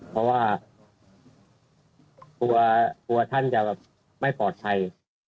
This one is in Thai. เพราะว่ากลัวท่านจะแบบไม่ปลอดภัย